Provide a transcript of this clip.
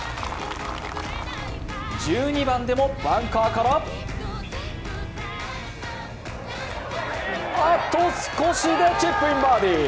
１２番でもバンカーからあと少しでチップインバーディー。